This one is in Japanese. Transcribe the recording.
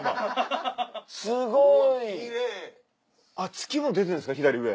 月も出てるんですか左上。